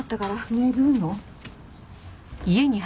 寝るの？